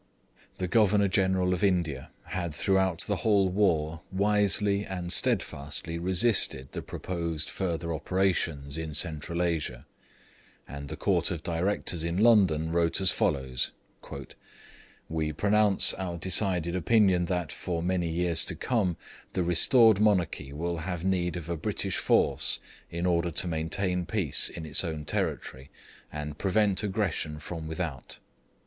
The Governor General of India had throughout the whole war wisely and steadfastly resisted the proposed further operations in Central Asia; and the Court of Directors in London wrote as follows: 'We pronounce our decided opinion that, for many years to come, the restored monarchy will have need of a British force in order to maintain peace in its own territory, and prevent aggression from without.'